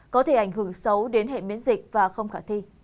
có thể ảnh hưởng xấu đến hệ miễn dịch và không khả thi